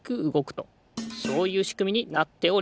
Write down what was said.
そういうしくみになっております。